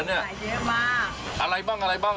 มาเยอะมากอะไรบ้างอะไรบ้างอ่ะ